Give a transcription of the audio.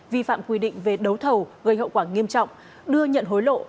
vi phạm quy định về đấu thầu gây hậu quả nghiêm trọng đưa nhận hối lộ